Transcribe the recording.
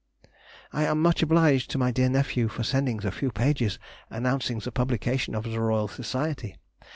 I am much obliged to my dear nephew for sending the few pages announcing the publications of the Royal Society.